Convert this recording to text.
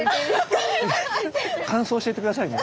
感想教えて下さいね。